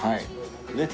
ねっ。